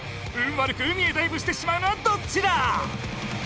悪く海へダイブしてしまうのはどっちだ？